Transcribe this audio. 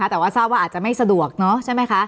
แต่ว่าทราบว่าอาจจะไม่สะดวกเนอะใช่ไหมคะ